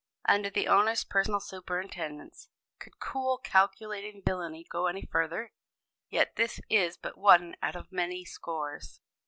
Under the owner's personal superintendence! Could cool calculating villany go any further? Yet this is but one out of many scores!